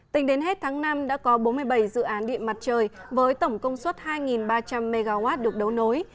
tính đến hết tháng năm đã có bốn mươi bảy dự án điện mặt trời với tổng công suất hai ba trăm linh mw được đấu nối